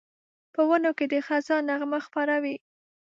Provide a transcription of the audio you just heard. په ونو کې د خزان نغمه خپره وي